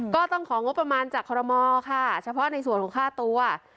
ของงบประมาณจากคอรมอค่ะเฉพาะในส่วนของค่าตัว